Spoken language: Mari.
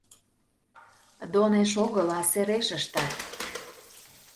— Донеш огыл, а сереш ыштат.